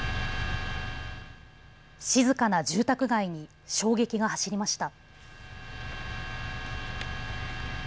静かな住宅街に衝撃が走りました。